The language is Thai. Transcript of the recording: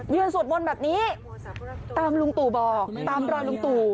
สวดมนต์แบบนี้ตามลุงตู่บอกตามรอยลุงตู่